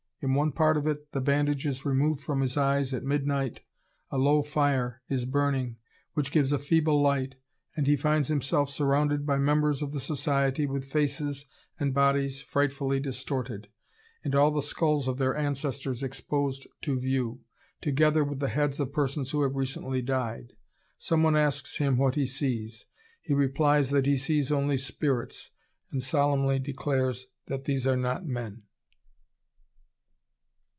In one part of it the bandage is removed from his eyes at midnight, a low fire is burning, which gives a feeble light, and he finds himself surrounded by members of the society with faces and bodies frightfully distorted, and all the skulls of their ancestors exposed to view, together with the heads of persons who have recently died. Some one asks him what he sees. He replies that he sees only spirits, and solemnly declares that these are not men....